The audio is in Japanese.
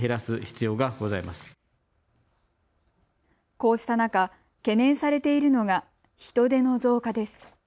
こうした中、懸念されているのが人出の増加です。